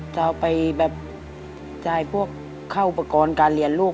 จะเอาไปแบบจ่ายพวกเข้าอุปกรณ์การเรียนลูก